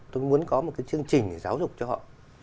tôi muốn có một cái chương trình để giáo dục cho họ